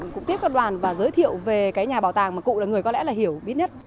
cũng tiếp các đoàn và giới thiệu về cái nhà bảo tàng mà cụ là người có lẽ là hiểu biết nhất